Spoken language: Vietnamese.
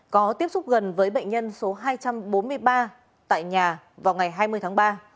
có tiếp xúc gần với bệnh nhân số hai trăm bốn mươi ba tại nhà vào ngày hai mươi tháng ba